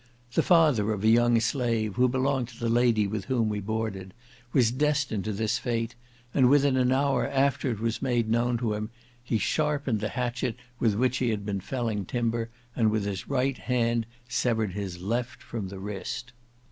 The father of a young slave, who belonged to the lady with whom we boarded, was destined to this fate, and within an hour after it was made known to him, he sharpened the hatchet with which he had been felling timber, and with his right hand severed his left from the wrist.